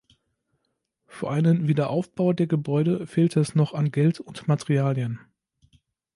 Für einen Wiederaufbau der Gebäude fehlte es noch an Geld und Materialien.